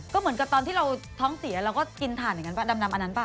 ก็เหมือนกับตอนที่เราท้องเสียกินถ่านเหมือนกันแปลกอันนั้นป่าว